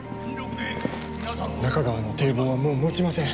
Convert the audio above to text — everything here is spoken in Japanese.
中川の堤防はもうもちません。